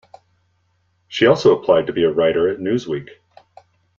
She also applied to be a writer at Newsweek.